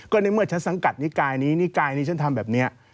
ก็ในเมื่อฉันสังกัดนิกายนี้นิกายนี้ฉันทำแบบนี้